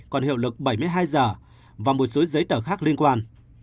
còn hiệu lực bảy mươi hai h và một số giấy tờ khác liên quan